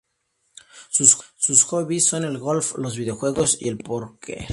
Sus hobbies son el golf, los videojuegos y el póquer.